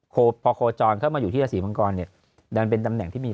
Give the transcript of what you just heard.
โคพอโคจรเข้ามาอยู่ที่ราศีมังกรเนี่ยดันเป็นตำแหน่งที่มี